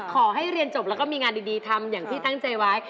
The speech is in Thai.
ขอให้เรียนจบแล้วก็มีงานดีทำอย่างที่ตั้งใจไว้